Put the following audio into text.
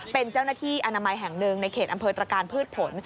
เป็นเจ้าหน้าที่อนามัยแห่งหนึ่งในเขตอำเภอตรการพืชผล